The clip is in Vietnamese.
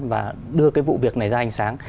và đưa cái vụ việc này ra ánh sáng